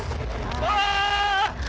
うわ！！